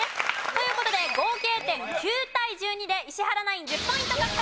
という事で合計点９対１２で石原ナイン１０ポイント獲得です。